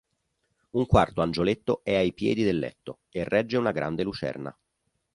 Un quarto angioletto è ai piedi del letto e regge una grande lucerna.